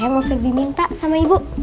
mau ferdinita sama ibu